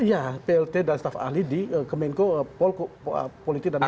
iya plt dan staff ahli di kemenko polite dan hukum